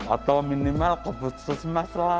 atau minimal ke pusat masalah